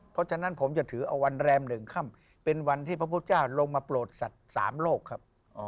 เพราะฉะนั้นผมจะถือเอาวันแรม๑ค่ำเป็นวันที่พระพุทธเจ้าลงมาโปรดสัตว์๓โลกครับ